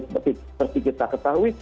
seperti kita ketahui